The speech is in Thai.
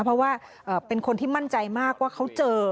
เพราะว่าเป็นคนที่มั่นใจมากว่าเขาเจอ